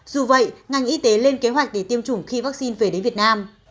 dù vậy ngành y tế lên kế hoạch để tiêm chủng khi vaccine về đến việt nam